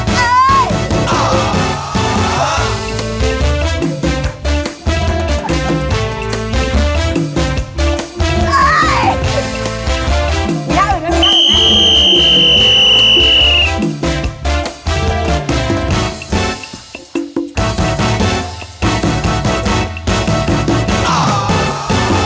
อ้าวมันก็รักนะ